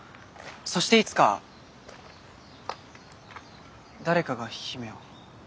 そしていつか誰かが姫を。